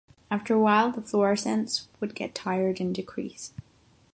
After a while the fluorescence would get 'tired' and decrease.